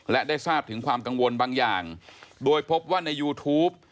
และได้ทราบถึงความกังวลบางอย่างโดยพบว่าในยูทูป